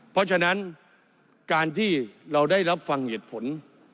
เพราะฉะนั้นการที่เราได้รับฟังเหตุผล